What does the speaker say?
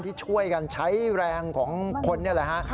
ที่ช่วยกันใช้แรงของคนนี่แหละฮะ